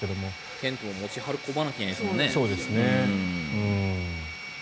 テントも持ち運ばないといけないですもんね。